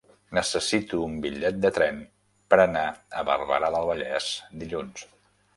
Necessito un bitllet de tren per anar a Barberà del Vallès dilluns.